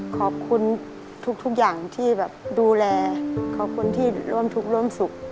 ขอบคุณทุกอย่างที่แบบดูแลขอบคุณที่ร่วมทุกข์ร่วมสุข